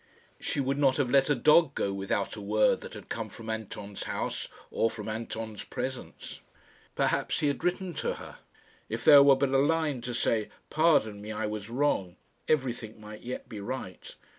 She would not have let a dog go without a word that had come from Anton's house or from Anton's presence. Perhaps he had written to her. If there were but a line to say, "Pardon me; I was wrong," everything might yet be right.